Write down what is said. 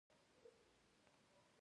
کولال د خټو لوښي جوړوي